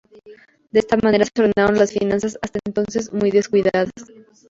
De esa manera se ordenaron las finanzas públicas, hasta entonces muy descuidadas.